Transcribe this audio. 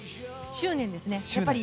執念ですね。